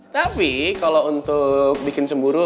tapi kalau untuk bikin cemburu